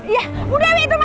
iya abu dawi itu mah